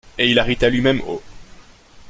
Et il arrêta lui-même au